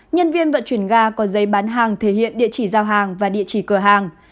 nhân viên vận chuyển ga có giấy bán hàng thể hiện địa chỉ giao hàng và địa chỉ cửa hàng